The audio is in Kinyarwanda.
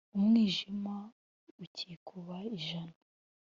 Umwijima ukikuba ijana